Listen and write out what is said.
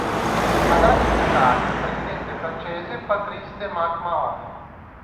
Ha dato i natali al presidente francese Patrice de Mac-Mahon.